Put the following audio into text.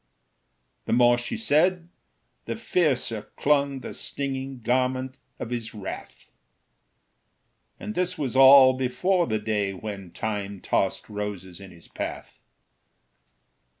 The more she said, the fiercer clung The stinging garment of his wrath; And this was all before the day When Time tossed roses in his path.